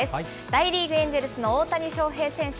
大リーグ・エンジェルスの大谷翔平選手。